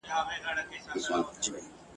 خپلو هغو افغانانو ته د هدایت دعا کوم !.